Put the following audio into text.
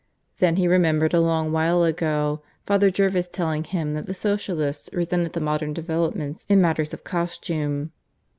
Then he remembered a long while ago Father Jervis telling him that the Socialists resented the modern developments in matters of costume.